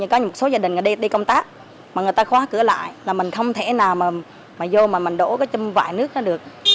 có một số gia đình đi công tác mà người ta khóa cửa lại là mình không thể nào mà vô mà mình đổ cái châm vải nước đó được